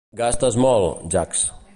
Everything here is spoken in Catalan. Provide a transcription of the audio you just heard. Gastes molt, Jax.